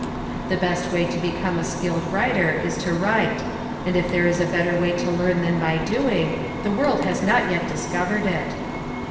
The best way to become a skilled writer is to write; and if there is a better way to learn than by doing, the world has not yet discovered it.